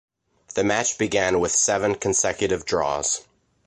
The match began with seven consecutive draws.